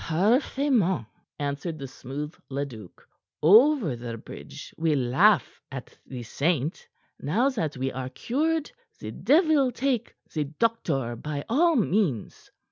"Parfaitement!" answered the smooth Leduc. "Over the bridge we laugh at the saint. Now that we are cured, the devil take the doctor by all means."